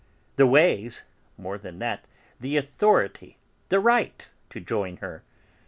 The ways? More than that, the authority, the right to join her.